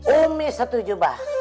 umi setuju mbah